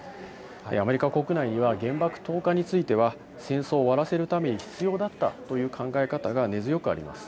アメリカ国内には、原爆投下については、戦争を終わらせるために必要だったという考え方が根強くあります。